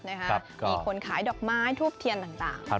มีคนขายดอกไม้ทูบเทียนต่าง